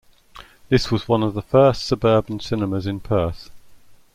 This was one of the first suburban cinemas in Perth.